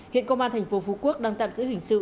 hiện công an tp phú quốc đang tạm giữ hình sự